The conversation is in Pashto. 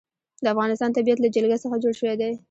د افغانستان طبیعت له جلګه څخه جوړ شوی دی.